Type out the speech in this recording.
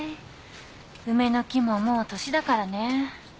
梅の木ももう年だからね。